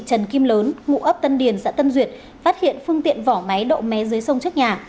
trần kim lớn ngụ ấp tân điền xã tân duyệt phát hiện phương tiện vỏ máy độ mé dưới sông trước nhà